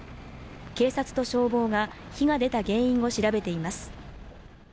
警察と消防が火が出た原因を調べています。